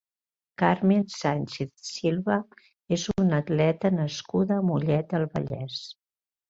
Carmen Sánchez Silva és una atleta nascuda a Mollet del Vallès.